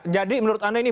lagi gerolan nilai